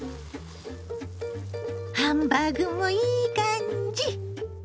ハンバーグもいい感じ！